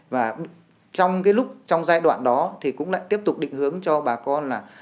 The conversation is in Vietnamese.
và trong cái lúc trong giai đoạn đó thì cũng lại tiếp tục định hướng cho bà con là